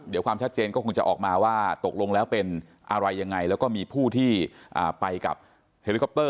เดี๋ยวความชัดเจนก็คงจะออกมาว่าตกลงแล้วเป็นอะไรยังไงแล้วก็มีผู้ที่ไปกับเฮลิคอปเตอร์